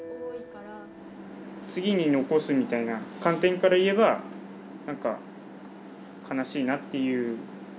次に残すみたいな観点から言えばなんか悲しいなっていう。